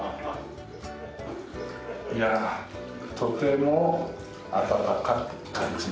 いやあとても温かく感じます。